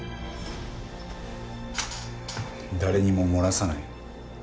誰にも漏らさない。